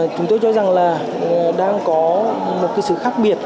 chúng tôi cho rằng là đang có một sự khác biệt